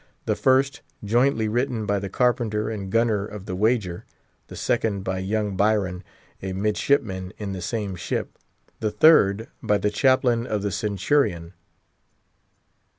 The first, jointly written by the carpenter and gunner of the Wager; the second by young Byron, a midshipman in the same ship; the third, by the chaplain of the Centurion.